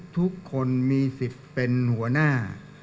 ทุกคนมีสิทธิ์เป็นหัวหน้า